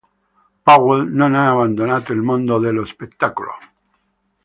Powell non ha abbandonato il mondo dello spettacolo.